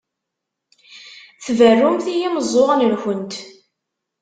Tberrumt i yimeẓẓuɣen-nkent.